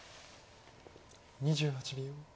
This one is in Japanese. ２８秒。